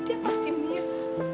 dia pasti mira